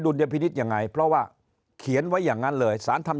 ยพินิษฐ์ยังไงเพราะว่าเขียนไว้อย่างนั้นเลยสารทำ